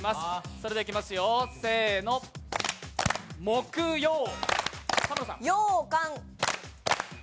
それではいきますよ、せーのもくよう。